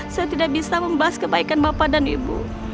saya tidak bisa membahas kebaikan bapak dan ibu